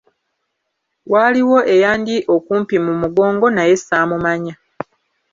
Waaliwo eyandi okumpi mu mugongo naye saamumanya.